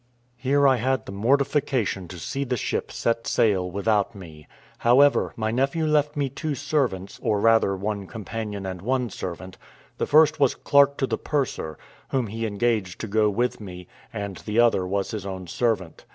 Here I had the mortification to see the ship set sail without me; however, my nephew left me two servants, or rather one companion and one servant; the first was clerk to the purser, whom he engaged to go with me, and the other was his own servant.